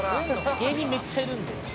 「芸人めっちゃいるんで」